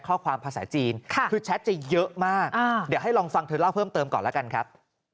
ข้อความภาษาจีนคือแชทจะเยอะมากเดี๋ยวให้ลองฟังเธอเล่าเพิ่มเติมก่อนแล้วกันครับ